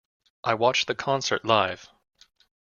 I watched the concert live.